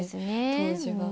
当時は。